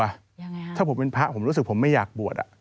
ยังไงถ้าผมเป็นพระผมรู้สึกผมไม่อยากบวชอ่ะ